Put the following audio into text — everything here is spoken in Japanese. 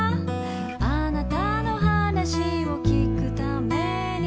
「あなたの話を聞くために」